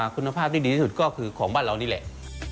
คุณภาพที่ดีที่สุดก็คือของบ้านเรานี่แหละ